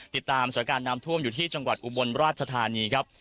ติดตามสถานการณ์น้ำท่วมอยู่ที่จังหวัดอุบลราชธานีครับ